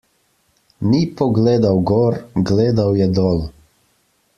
Ni pogledal gor, gledal je dol.